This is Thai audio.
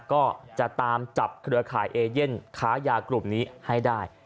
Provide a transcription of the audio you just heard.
ก็จะตามจับเครือข่ายเอเย่นค้ายากลุ่มนี้ให้ได้